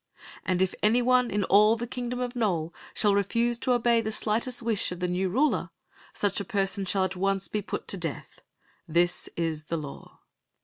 And if any one in all the kingdom oi" Nole shall refuse to obey the slightest wish of the new ruler, such person shall at once be put to death. This is the law."